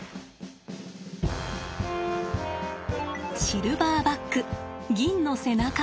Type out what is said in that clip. シルバーバック銀の背中。